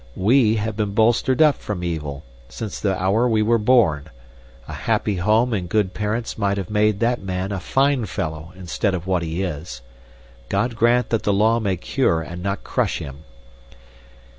WE have been bolstered up from evil, since the hour we were born. A happy home and good parents might have made that man a fine fellow instead of what he is. God grant that the law may cure and not crush him!"